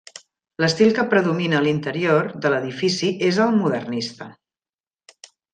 L'estil que predomina a l'interior de l'edifici és el modernista.